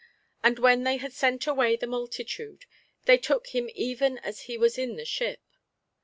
And when they had sent away the multitude, they took him even as he was in the ship.